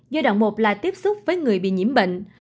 giai đoạn một là tiếp xúc với người bị nhiễm bệnh